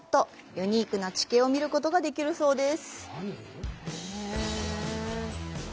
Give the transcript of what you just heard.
ユニークな地形を見ることができるそうです。